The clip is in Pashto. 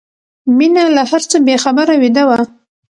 مينه له هر څه بې خبره ویده وه